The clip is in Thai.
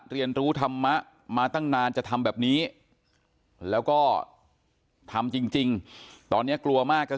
เรียนรู้ธรรมะมาตั้งนานจะทำแบบนี้แล้วก็ทำจริงตอนนี้กลัวมากก็